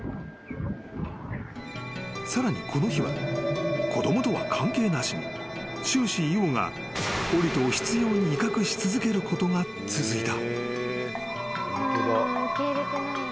［さらにこの日は子供とは関係なしに終始イオがオリトを執拗に威嚇し続けることが続いた］